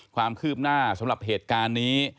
ความคืบหน้าสำหรับเหตุการณ์นี้